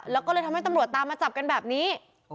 แล้วก็เลยทำให้ตำรวจตามมาจับกันแบบนี้